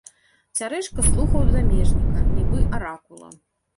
Цярэшка слухаў замежніка, нібы аракула.